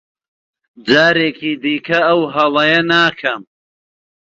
جارێکی دیکە ئەو هەڵەیە ناکەم.